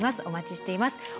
お待ちしています。